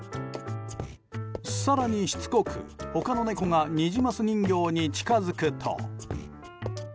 更にしつこく他の猫がニジマス人形に近づくと。